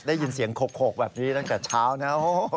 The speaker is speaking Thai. ได้ยินเสียงโขกแบบนี้ตั้งแต่เช้านะ